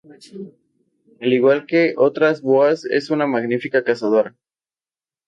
Al igual que otras boas es una magnífica cazadora.